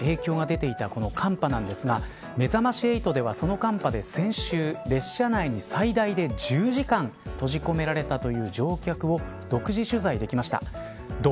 週末の列車の運休が相次ぐなど交通網にも大きな影響が出ていたこの寒波なんですがめざまし８ではその寒波で先週列車内に最大で１０時間閉じ込められたという乗客を独自取材できました。